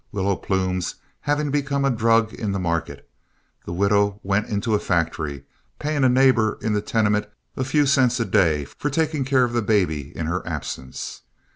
Willow plumes having become a drug in the market, the widow went into a factory, paying a neighbor in the tenement a few cents a day for taking care of the baby in her absence.